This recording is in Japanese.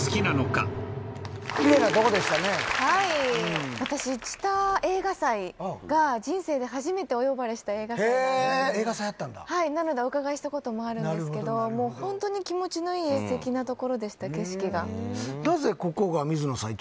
はい私知多映画祭が人生で初めておよばれした映画祭なんですなのでお伺いしたこともあるんですけどもうホントに気持ちのいい素敵なところでした景色がなぜここが水野さん